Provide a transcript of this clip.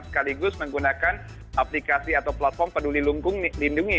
sekaligus menggunakan aplikasi atau platform peduli lindungi